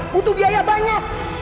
butuh biaya banyak